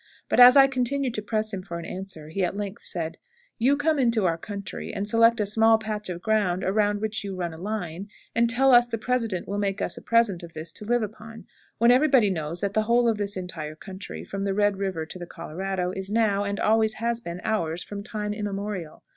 But, as I continued to press him for an answer, he at length said, "You come into our country and select a small patch of ground, around which you run a line, and tell us the President will make us a present of this to live upon, when every body knows that the whole of this entire country, from the Red River to the Colorado, is now, and always has been, ours from time immemorial.